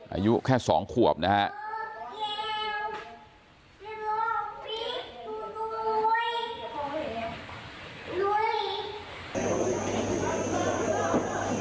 อายุแค่๒ขวบนะฮะ